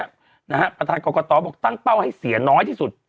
ตั้งครั้งนี้นะฮะประธานกรกฎบอกตั้งเป้าให้เสียน้อยที่สุด